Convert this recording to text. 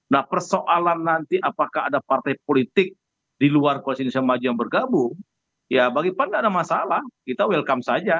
nah persoalan nanti apakah ada partai politik di luar koalisi indonesia maju yang bergabung ya bagi pan tidak ada masalah kita welcome saja